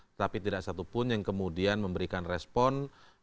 tetapi tidak satupun yang kemudian memberikan respon